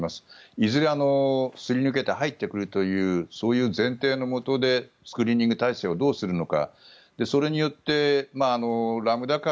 いずれすり抜けて入ってくるというそういう前提のもとでスクリーニング体制をどうするのか。